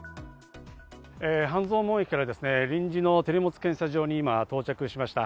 半蔵門駅から臨時の手荷物検査場に今、到着しました。